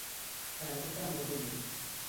کارەکەتیان بەدڵ بوو